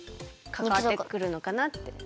かかわってくるのかなって？